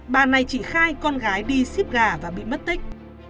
bà này chỉ khai con gái đi ship gà và bị mất tích